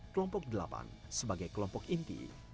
kelompok delapan sebagai kelompok inti